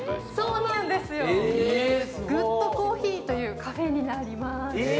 そうなんですよ、グッドコーヒーというカフェになります。